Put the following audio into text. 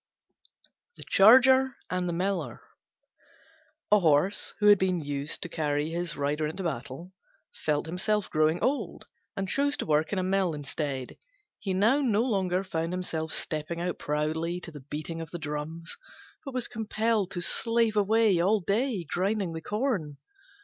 THE CHARGER AND THE MILLER A Horse, who had been used to carry his rider into battle, felt himself growing old and chose to work in a mill instead. He now no longer found himself stepping out proudly to the beating of the drums, but was compelled to slave away all day grinding the corn.